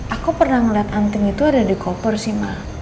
aku pernah ngeliat anting itu ada di koper sih